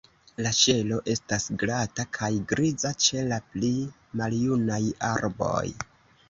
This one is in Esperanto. La ŝelo estas glata kaj griza ĉe la pli maljunaj arboj.